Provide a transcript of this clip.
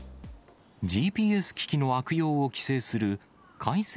ＧＰＳ機器の悪用を規制する改正